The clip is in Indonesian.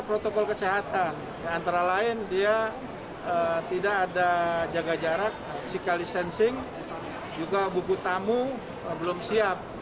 protokol kesehatan antara lain dia tidak ada jaga jarak physical distancing juga buku tamu belum siap